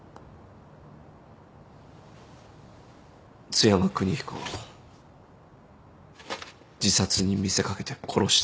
津山邦彦を自殺に見せ掛けて殺したのは。